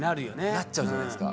なっちゃうじゃないですか。